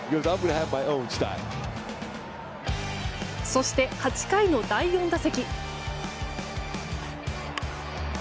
そして８回の第４打席。